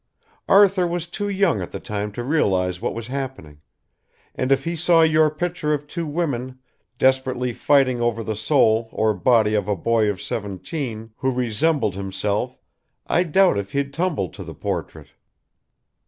Arthur was too young at the time to realize what was happening, and if he saw your picture of two women desperately fighting over the soul or body of a boy of seventeen who resembled himself I doubt if he'd tumble to the portrait.